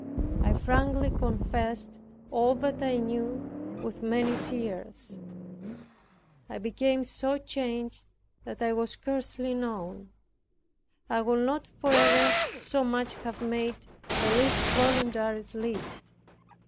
I frankly confessed all that I knew with many tears. I became so changed that I was scarcely known. I would not for ever so much made the least voluntary slip.